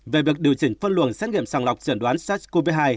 về việc điều chỉnh phân luồng xét nghiệm sàng lọc chẩn đoán sars cov hai